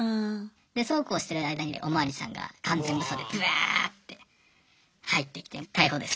でそうこうしてる間にお巡りさんが完全武装でブワーッて入ってきて逮捕です。